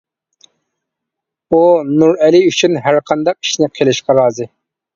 ئۇ نۇرئەلى ئۈچۈن ھەرقانداق ئىشنى قىلىشقا رازى.